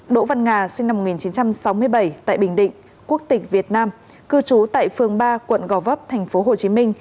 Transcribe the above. đỗ văn nga sinh năm một nghìn chín trăm sáu mươi bảy tại bình định quốc tịch việt nam cư trú tại phường ba quận gò vấp tp hcm